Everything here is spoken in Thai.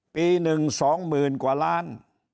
ปีหนึ่งสองหมื่นกว่าล้าน